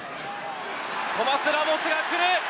トマス・ラモスが来る！